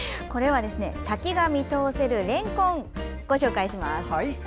先が見通せるれんこんご紹介します。